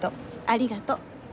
ありがとう。